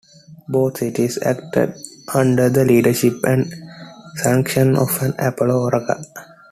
Both cities acted under the leadership and sanction of an Apollo oracle.